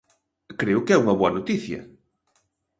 Creo que é unha boa noticia.